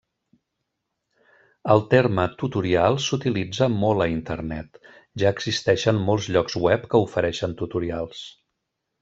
El terme Tutorial s'utilitza molt a Internet, ja existeixen molts llocs web que ofereixen tutorials.